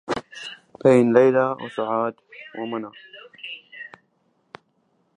كم رأينا من أناس هلكوا